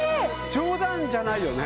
冗談じゃないよね？